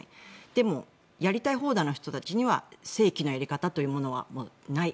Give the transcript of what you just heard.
でも、やりたい放題の人たちには正規のやり方というのはない。